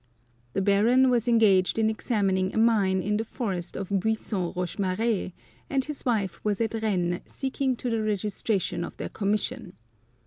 The Baron was engaged in examining a mine in the forest of Buisson Rochemar^e, and his wife was at Rennes seeing to the registration of their commission.